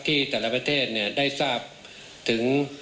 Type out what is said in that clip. ที่แต่ละประเทศได้ทราบถึง